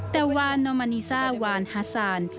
แต่วานนอมานีซ่าวานฮาซาน